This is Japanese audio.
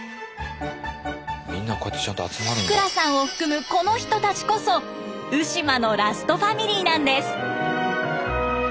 福羅さんを含むこの人たちこそ鵜島のラストファミリーなんです！